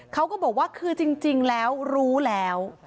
เขาก็บอกว่าคือจริงแล้วรู้แล้ว